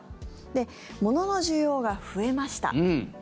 で、物の需要が増えました。